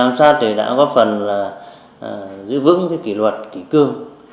ám sát đã góp phần giữ vững kỷ luật kỷ cương